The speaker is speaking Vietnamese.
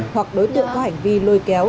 hoặc đối tượng có hành vi lôi kéo